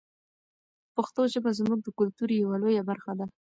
پښتو ژبه زموږ د کلتور یوه لویه برخه ده.